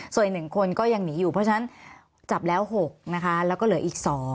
ส่วนอีก๑คนก็ยังหนีอยู่เพราะฉะนั้นจับแล้ว๖นะคะแล้วก็เหลืออีก๒